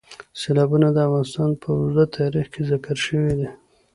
سیلابونه د افغانستان په اوږده تاریخ کې ذکر شوی دی.